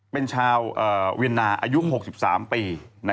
เป็นชาวเวียนนาอายุ๖๓ปี